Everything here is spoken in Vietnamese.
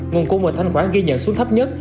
nguồn cung và thanh khoản ghi nhận xuống thấp nhất